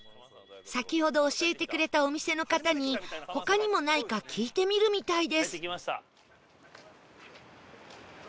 先ほど教えてくれたお店の方に他にもないか聞いてみるみたいです